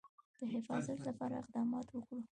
د حفاظت لپاره اقدامات وکړو.